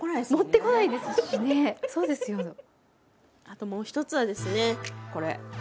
あともう一つはですねこれ。